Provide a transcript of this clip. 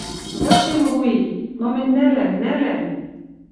Вычем лу и, но мӹнь нӓлӓм, нӓлӓм!